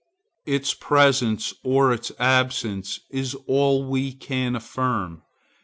Its presence or its absence is all we can affirm.